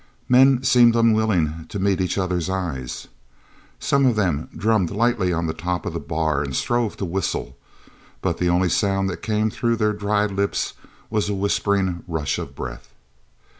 Men seemed unwilling to meet each other's eyes. Some of them drummed lightly on the top of the bar and strove to whistle, but the only sound that came through their dried lips was a whispering rush of breath.